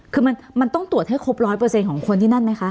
คือมันต้องตรวจให้ครบร้อยเปอร์เซ็นต์ของคนที่นั่นไหมคะ